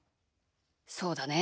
そうだね。